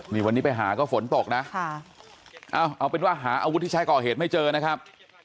นี่วันนี้ไปหาก็ฝนตกนะเอาเป็นว่าหาอาวุธที่ใช้ก่อเหตุไม่เจอนะครับ